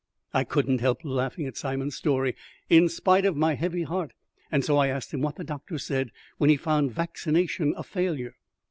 I could not help laughing at Simon's story, in spite of my heavy heart, and so I asked him what the doctor said when he found vaccination a failure.